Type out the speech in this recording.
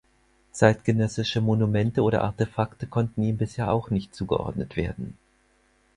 Zeitgenössische Monumente oder Artefakte konnten ihm bisher auch nicht zugeordnet werden.